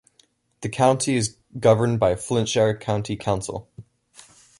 The county is governed by Flintshire County Council.